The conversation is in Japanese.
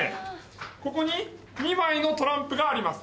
ここに２枚のトランプがあります